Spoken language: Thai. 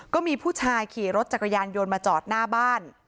ก็มีผู้ชายขี่รถจักรยานยนต์มาจอดหน้าบ้าน